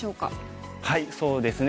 そうですね